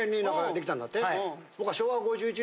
僕は。